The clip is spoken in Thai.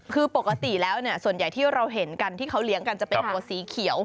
คือปกติแล้วส่วนใหญ่ที่เราเห็นกันที่เขาเลี้ยงกันจะเป็นตัวสีเขียว